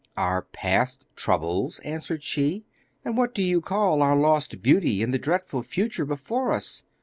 'Our past troubles!' answered she, 'and what do you call our lost beauty and the dreadful future before us?